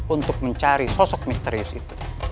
untuk mencari sosok misterius itu